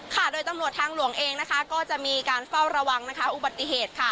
ค่ะโดยตำรวจทางหลวงเองนะคะก็จะมีการเฝ้าระวังนะคะอุบัติเหตุค่ะ